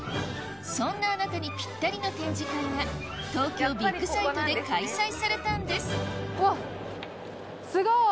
そんなあなたにぴったりの展示会が東京ビッグサイトで開催されたんですうわ！